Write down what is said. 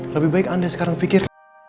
lebih baik anda sekarang pikir